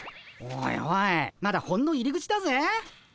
おいおいまだほんの入り口だぜ。